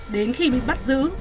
đến khi bị bắt giữ